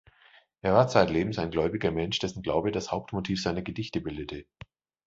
Er war zeitlebens ein gläubiger Mensch, dessen Glaube das Hauptmotiv seiner Gedichte bildete.